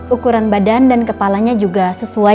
ukuran badan dan kepalanya juga sesuai